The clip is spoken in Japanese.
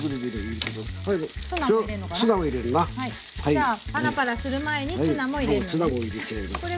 じゃパラパラする前にツナも入れるのね。